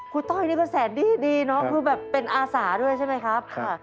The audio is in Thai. ต้อยนี่ก็แสนดีเนาะคือแบบเป็นอาสาด้วยใช่ไหมครับ